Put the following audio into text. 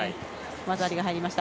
技ありが入りました。